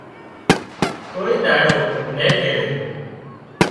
ڪوئي ۮاڙو نين ڪيڙي